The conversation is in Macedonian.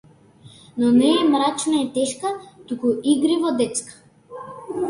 Но не мрачна и тешка, туку игриво детска.